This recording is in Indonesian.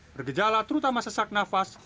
bergejala terutama sesak nafas